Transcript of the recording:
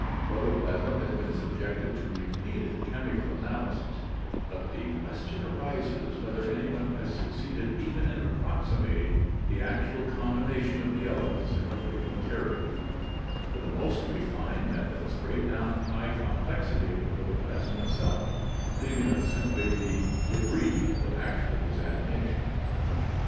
Protoplasm has been subjected to repeated chemical analysis, but the question arises whether anyone has succeeded even in approximating the actual combination of the elements in the living material, for the most refined methods break down the high com plexity of the protoplasm itself, leaving us simply the d6bris for actual examination.